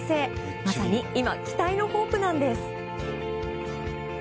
まさに今期待のホープなんです。